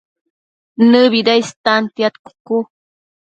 ¿Nëbida istantiad cucu?